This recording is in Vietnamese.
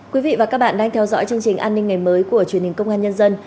quý vị và các bạn đang theo dõi chương trình an ninh ngày mới của truyền hình công an nhân dân